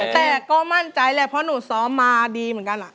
แต่ก็มั่นใจแหละเพราะหนูซ้อมมาดีเหมือนกัน